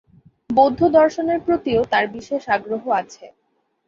বৌদ্ধ দর্শনের প্রতিও তার বিশেষ আগ্রহ আছে।